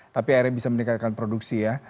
tapi akhirnya bisa meningkatkan produksi ya